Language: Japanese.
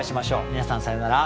皆さんさようなら。